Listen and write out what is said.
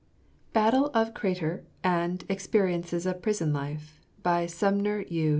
BATTLE OF THE CRATER AND Experiences of Prison Life. BY SUMNER U.